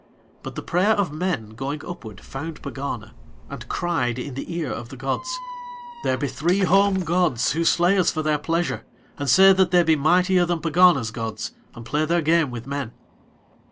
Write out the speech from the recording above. But the prayer of men going upward found Pegana, and cried in the ear of the gods: "There be three home gods who slay us for their pleasure, and say that they be mightier than Pegana's gods, and play Their game with men."